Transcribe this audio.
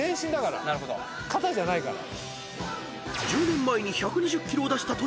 肩じゃないから。